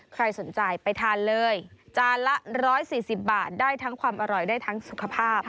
ใครสนใจไปทานเลยจานละ๑๔๐บาทได้ทั้งความอร่อยได้ทั้งสุขภาพ